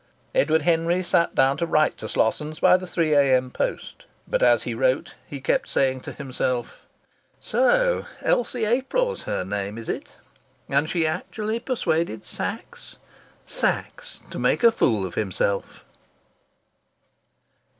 Edward Henry sat down to write to Slossons by the 3 A.M. post. But as he wrote he kept saying to himself: "So Elsie April's her name, is it? And she actually persuaded Sachs Sachs to make a fool of himself!"